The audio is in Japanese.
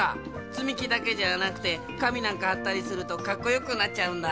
つみきだけじゃなくてかみなんかはったりするとかっこよくなっちゃうんだ。